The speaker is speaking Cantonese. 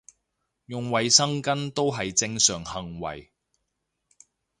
用衞生巾都係正常行為